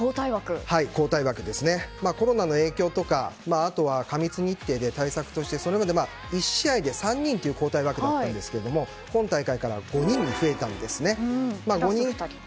コロナの影響とか過密日程で対策としてそれぞれ１試合で３人という交代枠だったんですが今大会からは５人に増えたんですね。